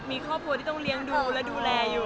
มีครอบครัวที่ต้องเลี้ยงดูและดูแลอยู่